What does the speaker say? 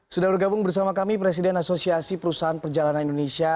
sudah bergabung bersama kami presiden asosiasi perusahaan perjalanan indonesia